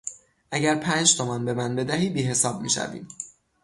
اگر پنج تومان بمن بدهی بیحساب می شویم.